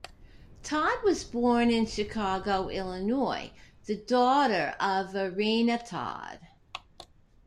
Todd was born in Chicago, Illinois, the daughter of Virena Todd.